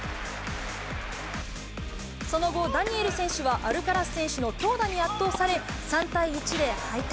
その後、ダニエル選手はアルカラス選手の強打に圧倒され、３対１で敗退。